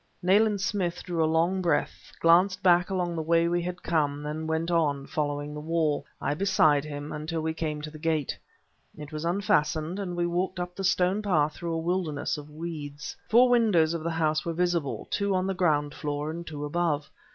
Nayland Smith drew a long breath, glanced back along the way we had come, then went on, following the wall, I beside him, until we came to the gate. It was unfastened, and we walked up the stone path through a wilderness of weeds. Four windows of the house were visible, two on the ground floor and two above.